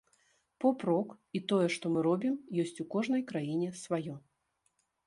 Поп-рок і тое, што мы робім, ёсць у кожнай краіне сваё.